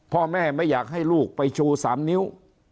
พ่อแม่ไม่อยากให้ลูกไปชู๓นิ้ว